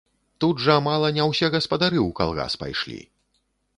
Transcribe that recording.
Тут жа мала не ўсе гаспадары ў калгас пайшлі.